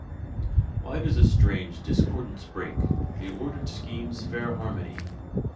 Why does a strange discordance break The ordered scheme's fair harmony?